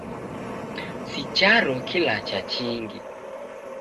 Si charo kilacha chingi.